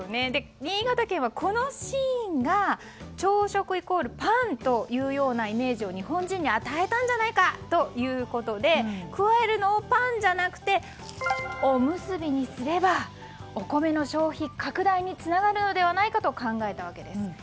新潟県はこのシーンが朝食＝パンというようなイメージを日本人に与えたんじゃないかということでくわえるのをパンじゃなくておむすびにすればお米の消費拡大につながるのではないかと考えたわけです。